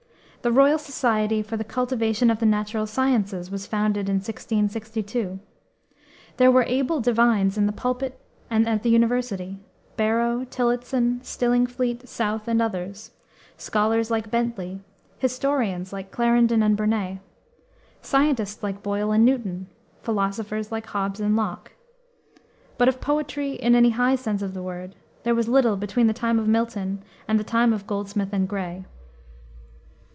The Royal Society, for the cultivation of the natural sciences, was founded in 1662. There were able divines in the pulpit and at the universities Barrow, Tillotson, Stillingfleet, South, and others: scholars, like Bentley; historians, like Clarendon and Burnet; scientists, like Boyle and Newton; philosophers, like Hobbes and Locke. But of poetry, in any high sense of the word, there was little between the time of Milton and the time of Goldsmith and Gray.